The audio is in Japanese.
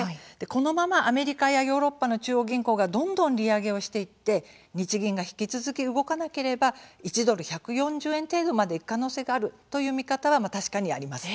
このままアメリカやヨーロッパの中央銀行がどんどん利上げをしていって日銀が引き続き動かなければ１ドル、１４０円程度までいく可能性があるという見方は確かにあります。